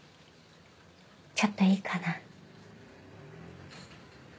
ちょっといいかな。